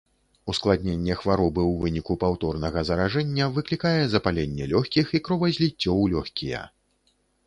Ускладненне хваробы ў выніку паўторнага заражэння выклікае запаленне лёгкіх і кровазліццё ў лёгкія.